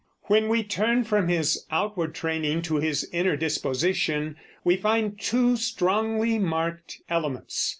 When we turn from his outward training to his inner disposition we find two strongly marked elements.